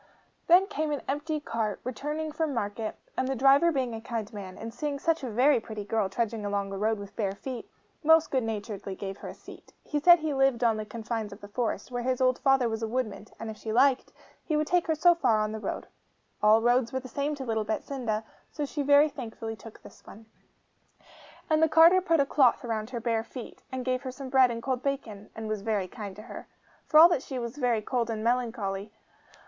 Then came an empty cart, returning from market; and the driver being a kind man, and seeing such a very pretty girl trudging along the road with bare feet, most good naturedly gave her a seat. He said he lived on the confines of the forest, where his old father was a woodman, and, if she liked, he would take her so far on her road. All roads were the same to little Betsinda, so she very thankfully took this one. And the carter put a cloth round her bare feet, and gave her some bread and cold bacon, and was very kind to her. For all that she was very cold and melancholy.